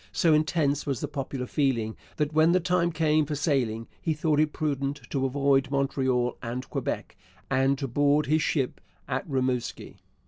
So intense was the popular feeling, that when the time came for sailing he thought it prudent to avoid Montreal and Quebec and to board his ship at Rimouski.